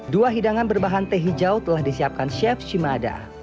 dua hidangan berbahan teh hijau telah disiapkan chef shimada